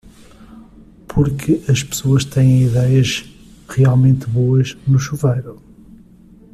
Por que as pessoas têm idéias realmente boas no chuveiro?